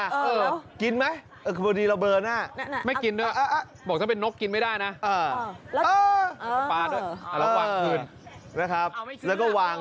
เออแล้วกินไม่ได้ที่มากรอบเบลอหน้าไม่กินด้วยอ่ะบอกว่าต้องเป็นนกกินไม่ได้แล้ววางคืน